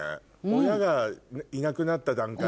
親がいなくなった段階で。